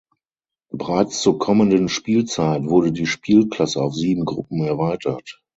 Bereits zur kommenden Spielzeit wurde die Spielklasse auf sieben Gruppen erweitert.